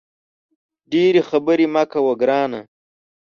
ډېري خبري مه کوه ګرانه !